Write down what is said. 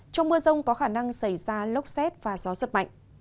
trong mưa rông có khả năng xảy ra lốc xét và gió giật mạnh